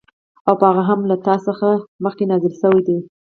او په هغه هم چې له تا څخه مخكي نازل شوي دي